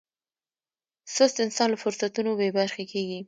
سست انسان له فرصتونو بې برخې کېږي.